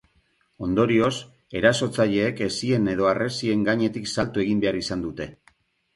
Ondorioz, erasotzaileek hesien edo harresien gainetik salto egin behar izan dute.